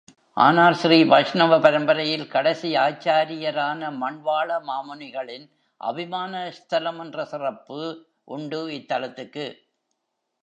ஆனால் ஸ்ரீ வைஷ்ணவ பரம்பரையில் கடைசி ஆச்சாரியரான மண்வாள மாமுனிகளின் அபிமான ஸ்தலம் என்ற சிறப்பு உண்டு இத்தலத்துக்கு.